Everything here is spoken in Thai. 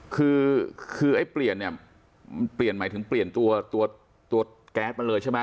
คือไอ้เปลี่ยนนี่แก๊สบุคคลมกระป๋องใช่มั้ย